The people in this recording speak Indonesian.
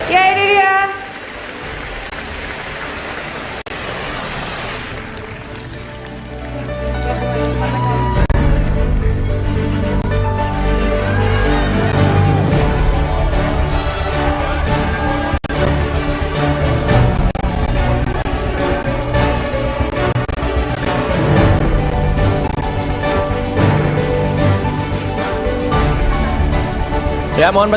ya ini dia